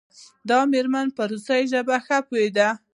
دا میرمن په روسي ژبه ښه پوهیده.